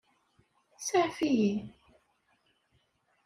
Saɛef-iyi.